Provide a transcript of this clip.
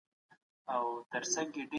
د بل چا په مال خيټه اچول ناروا کار دی.